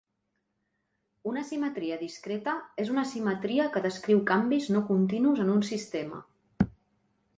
Una simetria discreta és una simetria que descriu canvis no continus en un sistema.